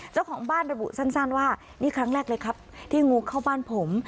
เจ้าของบ้านระบุสั้นว่านี่ครั้งแรกเลยครับที่งูเข้าบ้านผม